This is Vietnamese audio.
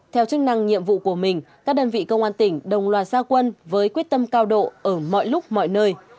theo chức năng nhiệm vụ của mình các đơn vị công an tỉnh đồng loạt gia quân với quyết tâm cao độ ở mọi lúc mọi nơi